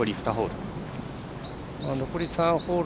残り２ホール。